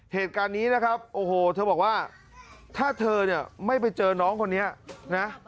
เหตุการณ์นี้นะครับโอ้โหเธอบอกว่าถ้าเธอเนี่ยไม่ไปเจอน้องคนนี้นะ